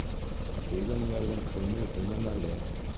Һөйгән йәрҙең өнө өнәмәле.